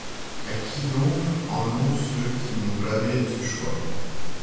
À qui donc en ont ceux qui m’ont blâmé de ce choix ?